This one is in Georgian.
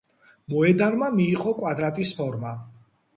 მოედანმა მიიღო კვადრატის ფორმა.